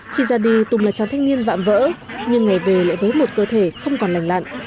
khi ra đi tùng là chàng thanh niên vạm vỡ nhưng ngày về lại với một cơ thể không còn lành lặn